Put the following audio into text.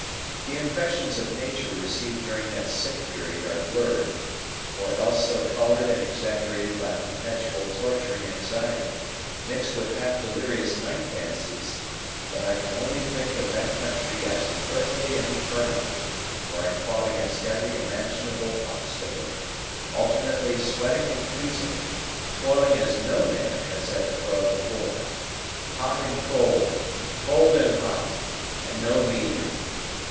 The impressions of nature received during that sick period are blurred, or else so coloured and exaggerated by perpetual torturing anxiety, mixed with half delirious night fancies, that I can only think of that country as an earthly inferno, where I fought against every imaginable obstacle, alternately sweating and freezing, toiling as no man ever toiled before. Hot and cold, cold and hot, and no medium.